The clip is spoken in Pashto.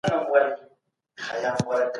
زدهکوونکي د ښوونځي فعالیتونو ته علاقه لري.